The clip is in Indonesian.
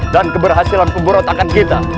dan keberhasilan pemberotakan kita